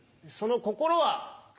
その心は。